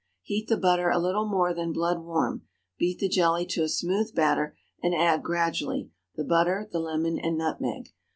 Heat the butter a little more than blood warm; beat the jelly to a smooth batter and add gradually the butter, the lemon, and nutmeg.